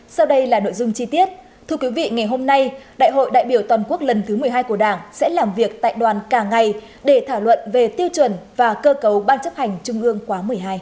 sau đây là nội dung chi tiết thưa quý vị ngày hôm nay đại hội đại biểu toàn quốc lần thứ một mươi hai của đảng sẽ làm việc tại đoàn cả ngày để thảo luận về tiêu chuẩn và cơ cấu ban chấp hành trung ương khóa một mươi hai